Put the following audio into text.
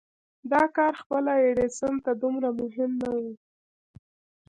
دا کار خپله ايډېسن ته دومره مهم نه و.